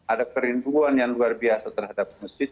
ada kerinduan yang luar biasa terhadap masjid